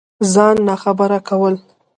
ځان ناخبره كول